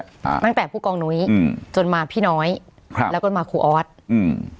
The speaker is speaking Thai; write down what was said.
อ่าตั้งแต่ผู้กองนุ้ยอืมจนมาพี่น้อยครับแล้วก็มาครูออสอืม